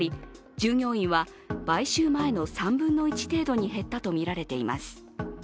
従業員は買収前の３分の１程度に減ったとみられています。